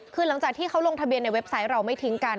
คือหลังจากที่เขาลงทะเบียนในเว็บไซต์เราไม่ทิ้งกัน